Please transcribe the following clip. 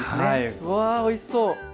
うわおいしそう！